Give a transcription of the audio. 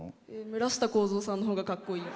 村下孝蔵さんのほうがかっこいい。